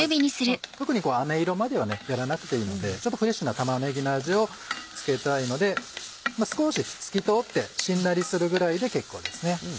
特にあめ色まではやらなくていいのでちょっとフレッシュな玉ねぎの味を付けたいので少し透き通ってしんなりするぐらいで結構です。